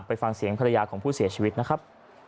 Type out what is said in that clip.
ฟังเสียงภรรยาของผู้เสียชีวิตนะครับ